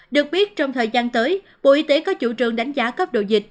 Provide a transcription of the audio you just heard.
được biết trong thời gian tới bộ y tế có chủ trương đánh giá cấp độ dịch